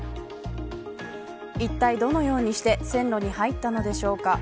いったい、どのようにして線路に入ったのでしょうか。